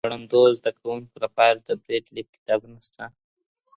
آیا د ړندو زده کوونکو لپاره د بریل لیک کتابونه سته؟